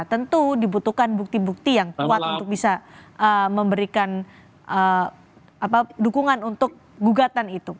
tentu dibutuhkan bukti bukti yang kuat untuk bisa memberikan dukungan untuk gugatan itu